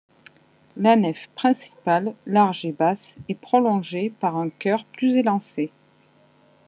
La nef principale, large et basse est prolongée par un chœur plus élancé.